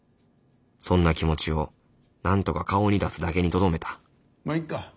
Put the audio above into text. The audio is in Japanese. そんな気持ちをなんとか顔に出すだけにとどめたまあいっか。